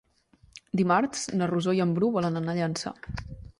Dimarts na Rosó i en Bru volen anar a Llançà.